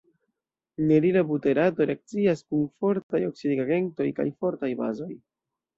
Nerila buterato reakcias kun fortaj oksidigagentoj kaj fortaj bazoj.